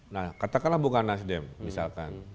nah katakanlah bukan nasdem misalkan